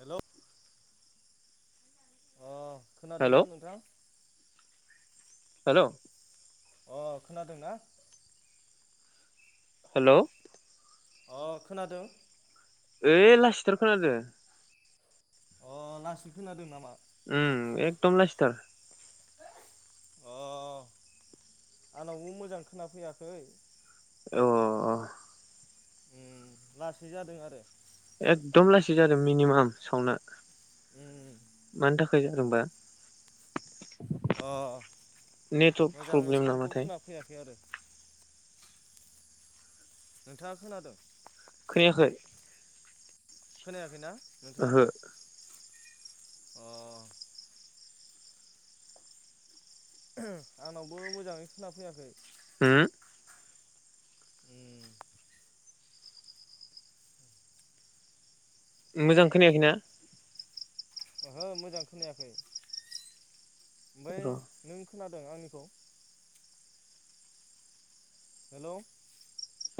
हेल' hello खोनादोंना नोंथां? Hello अ खोनादोंना? हेल' अ खोनादों ओइ लासिथार खोनादों अ लासै खोनादों नामा? उम एखदम लासिथार अ आंनावबो मोजां खोनाफैयाखै ओ अ ओम लासै जादों आरो एकदम लासै जादों मिनिमाम सावना उम मानि थाखै होमबा अ मोजाङै प्रब्लेम साउन्डखौ नामाथाय खोना फैयाखै आरो- नोंथाङा खोनादों? खोनायाखै। खोनायाखैना? नोंथाङा ओहो अ ओहो आंनावबो मोजाङै खोना फैयाखै। होम? उम। मोजां खोनायाखै ना? ओहो मोजां खोनायाखै। ओमफ्राय र' नों खोनाद जादों आंनिखौ [inaudible] हेलौ।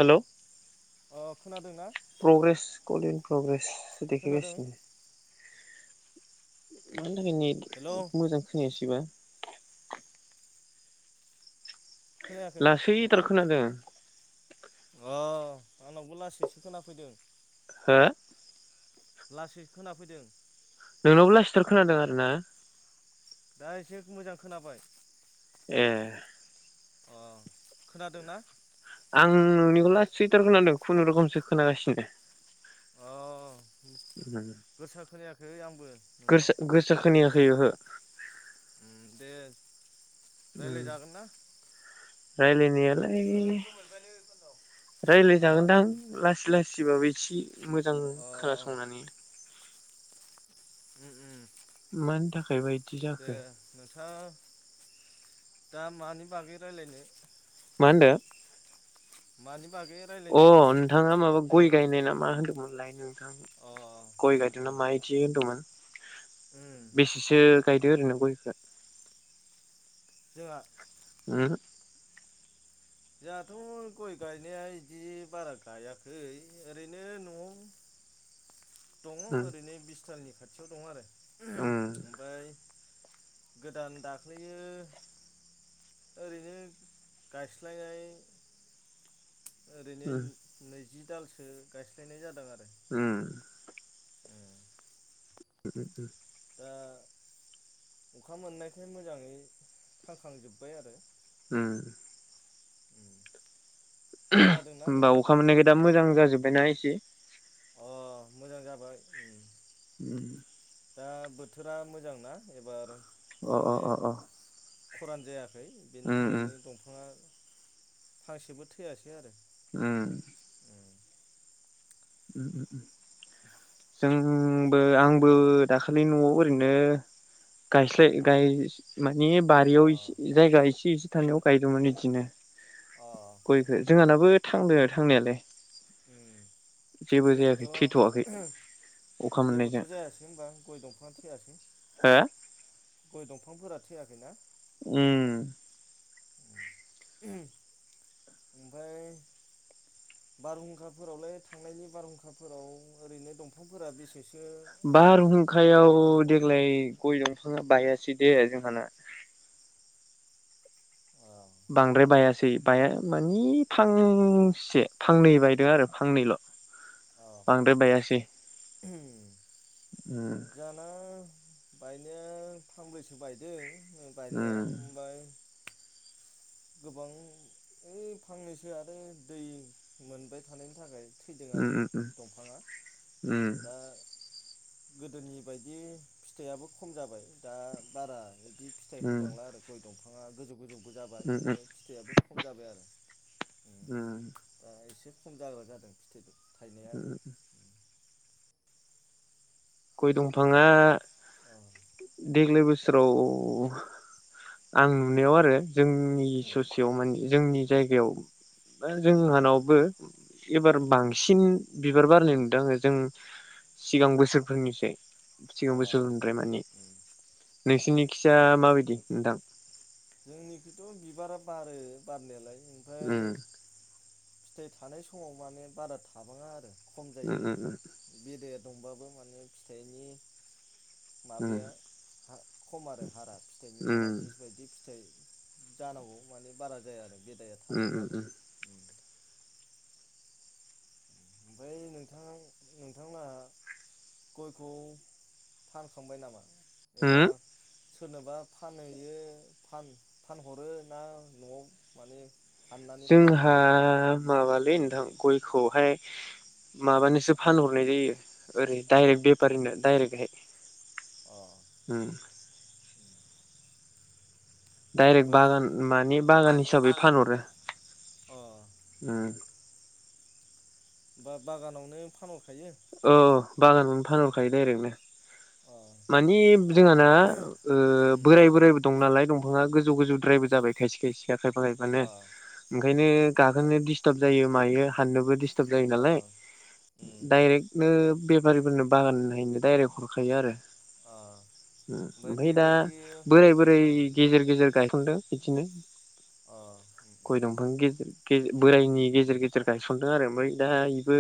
हेलौ। अ खोनादों ना? प्रग्रेस कलिन प्रग्रेस देखाय खोनादों गसिनो। [inaudible] मानि थाखाय नेट हेलौ मोजां खोनायासै। खोबा खोनायाखै लासैथार नोंथां खोनादों। अ आंनावबो लासैसो खोनाफैदों। हो? लासै खोनाफैदों। नोंनावबो लासैथार खोनादों आरोना? दा एसे मोजां खोनाबाय। ए। अ खोनादोंना? आं नोंनिखौ लासैथार खोनादों खुनुरुखुमसो खोनागासिनो। अ गोसा खोनाया है आंबो नोंथां गोरसा गोरसा खोनायाख खै ओहो। उम बे उम रायलायनायालाय हा रायलायजागोनदां लासै लासै। एसेबाबो इसे मोजां अ खोनासंनानै उम उम। मानि थाखाय बा इद दे नोंथां। दा मानि बागै रायलायनो? मा होनदो? मानि बागै अ रायलायनो ओरैनो नोंथाङा माबा गय जोङो गायनाय ना मा होनदोंमोन? लायनो थां नों अ गय उम गायदोंना उम मा इदि होनदोंमोन? उम बेसेसो गायदो ओरैनो गयखो। जोंहा [inaudible] उम जोंहाथ' गय गायनाया बिदि बारा गायाखै ओरैनो न'आव दङ ओरैनो बिसथालनि खाथि। खाथियाव दंङ आरो। उम। ओमफ्राय गोदान दाख्लैयो ओरैनो गायस। [unintelligible] ओरैनो नै। जि दालसो गायस्लायनाय जादों आरो। उम। उम। दा अखा मोननायखाय मोजांङै थांखांजोब्बाय आरो। उम। खोनादोंना होमबा नोंथां अखा मोननायखै दा मोजां। जाजोबबायना एसे। अ मोजां जाबाय। उम। दा बोथोरा मोजांना एबार। अ अ अ अ। खुरान जायाखै। बेनि उम उम थाखायनो दंफाङा। फांसेबो थैयासै आरो। उम। उम उम उम। जोंबो आंबो। दाखालि न'आव ओरैनो गायस्लाय गाय माने बारियाव अ जायगा एसे एसे थानायाव गायदोंमोन बिदिनो। अ उम गयखौ जोंहानाबो थांदों आरो। थांनायालाय। उम। जेबो जेबोथ' जायाखै थैथ'वाखै अखा जेबोथ' मोननायजों जायासै होनबा गय दंफाङा थैयासै। हो। गय दंफांफोरा थैयाखैना। उम। ओमफ्राय बारहुंखाफोरावलाय थांनायनि बारहुंखाफोराव ओरैनो दंफांफोरा बेसेसो। बारहुंखायाव बायदोंमोन देग्लाय गय दंफाङा। बाहायासै दे जोंहाना। अ बांद्राय बायासै बाया मानि फांसे फांनै बायदों आरो फांनैल'। अ बांद्राय बायासै। उम जाना। बायनाया फांब्रैसो बायदों। बायनि उम बफ्राय [unintelligible] गोबां ओइ फांनैसो आरो दै मोनबाय थानायनि थाखाय थैदों उम आरो उम दंफाङा उम दा गोदोनि बायदि फिथाइयाबो खम जाबाय दा बारा। बि फिथाइ उम होबांला आरो गय दंफां [unintelligible] [unintelligible] था गोजौ गोजौ। जाबाय उम उम ओमफ्राय फिथाइयआबो खम जाबाय आरो उम दा एसे खम जाग्ला जादों फिथाइदों। [unintelligible] थायनाया उम आरो। गय दंफाङा ओमफ्राय अ देग्लाय बोसोराव आं नुनायाव आरो जोंनि उम ससेयाव माने जोंनि जायगायाव अ जोंहानावबो एबार बांसिन बिबार बारनाय नुदों जों सिगां बोसोर बुंनोसै सिगांबो अ सोलद्राय मानि उम नोंसिनि [unintelligible] [unintelligible] जायखिया माबायदि नोंथां जोंनिखथ' बिबारा बारो बारनायालाय [unintelligible] उम फिथाइ थानाय समाव माने बारा थाबाङा आरो। [unintelligible] खम जायो उम उम बेदेर [unintelligible] दंबाबो माने फिथाइनि [unintelligible] उम माबाया खम आरो हारा फिथाइनि उम हारा जिस बायदि [unintelligible] फिथाइ जानांगौ माने बारा जाया आरो बे [unintelligible] आदाया उम उम थादोंबाबो। उम ओमफ्राय नोंथां नोंथांङा गयखौ फानखांबाय नामा? एबा होम सोरनोबा फानहैयो फानहरो ना न'आव माने हाननानै फानहैयो जोंहा नोंथाङा माबालै नोंथां गयखौहाय माबानोसो फानहरनाय जायो ओरै डायरेक्ट बेफारिनो दायरेक्टहाय अ उ डायरेक्ट ओमफ्राय बागान माने बागान मानि हिसाबै बागान फानहरो अ बा बागानावनो फानहर ओ बागानखौनो फानहरखायो डाइरेक्टनो अ मानि जोंहाना ओ उम बोराय बोरायबो दं नालाय दं फाङा गोजौ गोजौद्रायबो जाबाय जायसे खायसे खायफा खायफा नो अ ओंखायनो गाखोनो दिस्टार्ब जायो मायो हाननोबो दिस दिसथाब जायो अ नालाय उम डाइरेक्टनो बेफारिफोरनो बागान नायैनो दडाइरेक्ट हरखायो आरो अ ओमफ्राय ओमफाय दा बेबायदि बोराय बोराय अ गेजेर गेजेर गायखनदों बिदिनो अ उम गय उम दंफां गेजर गेजे उम बोरायनि उम गेजेर गेजेर गायसन दों आरो दा इबो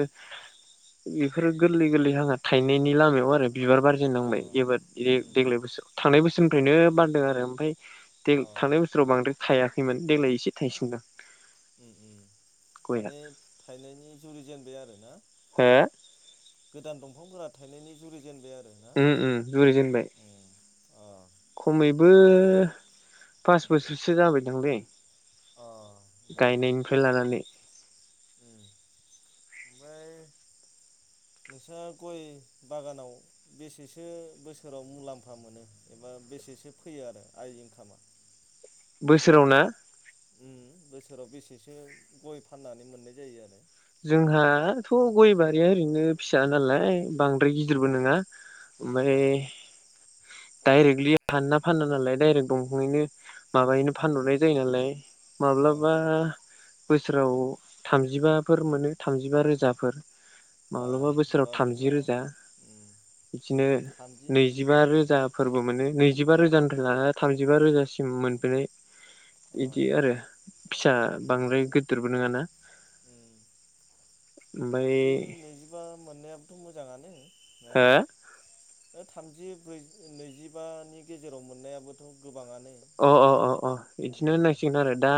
इफोर गोरलै गोरलै हांआ थायनायनि लामायाव आरो बिबार बारजेन अ एबार ए उम उम देग्लाय बोसोराव थांनाय बोसोर सोनिफ्रायनो बारदों आरो ओमफाय दे अ थांनाय बोसोराव बांद्राय थायाखैमोन देग्लाय एसे थाइसेनदों उम उम माने थाइनायनि जुरि जेनबाय आरो ना हो उम गोदान दंफांफोराथ' थायनायनि जुरि जेनबाय आरो ना उम उम जुरि जेनबाय उम अ खमैबो बो फास बोसोरसो जाबाय दांलै अ गायनायनिफ्राय लानानै ओमफाय नोंस्रा गय बागानाव बेसेसो बोसोराव मुलाम्फा मोनो एबा बेसेसो फैयो आरो आइ इनकामा बोसोराव ना उम बोसोराव बेसेसो गय फाननानै मोननाय जायो आरो जोंहाथ' गय बारिया ओरैनो फिसा नालाय बांद्राय उम गिदिरबो नङा अ ओमफाय डायरेक्टलि हानना फान नालाय दडायरेक्ट दंफांयैनो माबायैनो फानहरनाय जायो नालाय माब्लाबा अ बोसोराव थामजिबा फोर मोनो थामजिबा रोजाफोर अ माब्लाबा बोसोराव होमबाबोथ' थामजि रोजा उम बिदिनो थामजि नैजिबा उम रोजा फोरबो मोनो नैजि जिबा रोजानिफ्राय लानानै थामजिबा रोजासिम मोनब्रै अ इदि आरो फिसा उम उम बांद्राय गिदिरबो नङाना उम ओमफ्राय थामजि नैजिबा मोननाया मोजाङानो हो ओ थामजि जि ब्रै नैजिबानि गेजेराव मोननायाबोथ' गोबाङानो अ-अ- अ- अ बिदिनो उम होननांसिगोन आरो दा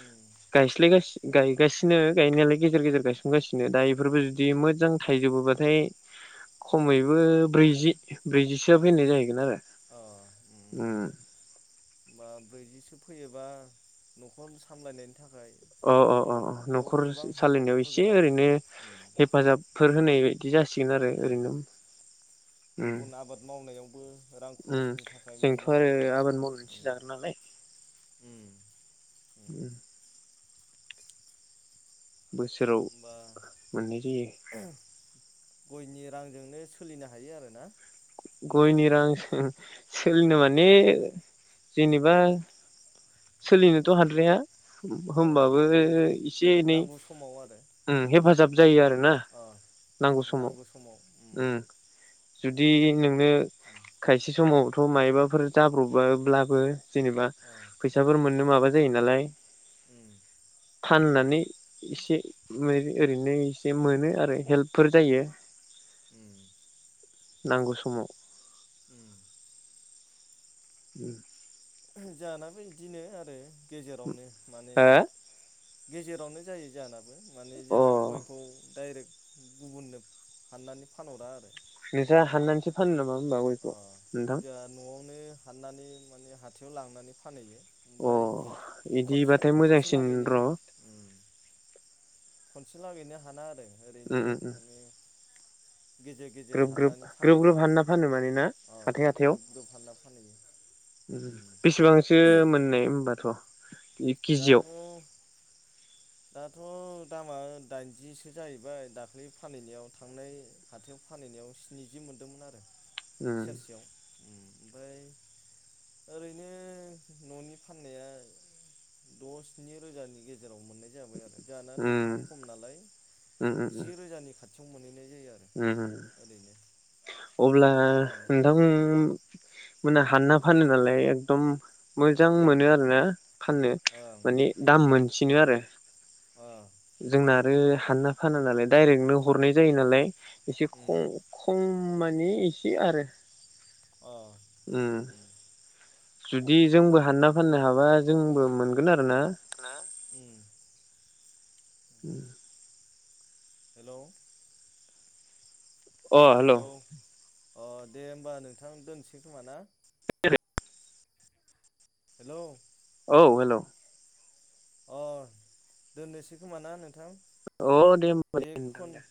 उम गायस्लायगा गायगासिनो गायनायालाय गेजेर गेजेर गायसनगासिनो दा बेफोरबो जुदि मोजां थाइजोबोबाथाय खमैबो ब्रैजि ब्रैजिसोआ फैनाय जाहैगोन आरो उम होनबा ब्रैजिसो फैयोबा न'खर सामलायनायनि थाखाय अ -अ- अ बेयाव न'खर गोबां सालायनायाव हेफाजाब एसे होगोन आरो ओरैनो उम हेफाजाबफोर होनाय बिदि जासिगोन आरो उम ओरैनो गुबुन आबाद मावनायावबो रां ओम-ओम खरसनि थाखाय जोंथ' मोननो आरो हागोन आबाद मावनासो उम जाग्रा नालाय उम उम बोसोराव बा मोननाय जायो गयनि रांजोंनो सोलिनो हायो आरो ना गयनि रांजों उम सो-सोलिनो माने जेनेबा उम सोलिनोथ' हाद्राया अ होमबाबो माने एसे-एनै नांगौ समाव आरो ओम हेफाजाब जायो आरो ना अ नांगौ समाव ओम बिदि बि उम खायसे समाव थ' मायबाफोर जाब्र'बब्लाबो जेनेबा अ फैसाफोर मोननो माबा जायो नालाय उम फाननानै एसे ओरैनो एसे मोनो आरो हेल्पफोर जायो उम नांगौ समाव उम उम जाहानाबो इदिनो आरो गेजेरावनो माने हो अ गेजेरावनो जायो जोहाना माने जोंहा गयखौ डाइरेक्ट गुबुननो हाननानै फानहरा आरो निजा हाननानैसो फानो नामा हो अ जोंहा न'आवनो हाननानै माने हा थायाव लांनानै फानहैयो अ ओमफ्राय खनसे बिदिबाथाय खनसे मोजांसिन लागैनो र' उम खनसे लागैनो हाना आरो ओरैनो माने गेजेर गेजेर ग्रोब-ग्रोब हाननानै फानहैयो ग्रोब-ग्रोब हानना फानो माने ना अ हाथाय-हाथायाव ग्रोब ग्रोब हानना फानहैयो उम बेसेबांसो मोननाय होनबाथ' दाथ' दाथ' दामा दाइनजिसो जाहैबाय दाख्लै फानहैनायाव थांनाय हाथायाव फानहैनायाव स्निजि मोनदोंमोन आरो उम सेरसेयाव ओमफ्राय ओरैनो न'नि फाननाया द' स्नि रोजानि गेजेराव मोननाय जाबाय आरो जोंहाना उम दंफाङा खम नालाय उम उम जि रोजानि खाथि खाथियाव मोनहैनाय जायो आरो उम उम ओरैनो अब्ला न'आव फाननानै नोंथां उम मोना हानना फानोबालाय एकदम मोजां अ मोनो आरो ना फाननो ओं माने उम दाम उम मोनसिनो आरो ओ उम जोंना आरो हानना फाना नालाय डाइरेक्टनो हरनाय जायो नालाय एसे उम खम मानि एसे आरो ओ उम जुदि जोंबो हानना फाननो हाबा जोंबो मोनगोन आरो ना [unintelligible] [inaudible] हेलौ अ हेलौ अ दे होमबा नोंथां दोनसै खोमा ना हेलौ औ हेलौ अ दोननोसै खोमा ना नोंथां अ दे होमबा बे होनबा दे खन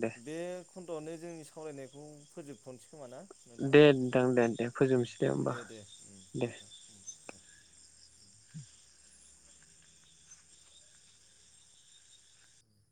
दे बे जोंनि सावरायनायखौ फोजोबथ'नोसै खोमाना नोंथां दे नोंथां दे दे फोजोबनोसै होमबा दे दे दे नोंथां दे [inaudible]